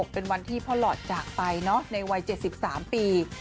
เป็นวันที่พ่อหลอดจากไปในวัย๗๓ปี